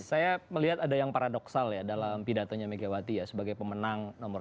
saya melihat ada yang paradoksal ya dalam pidatonya megawati ya sebagai pemenang nomor satu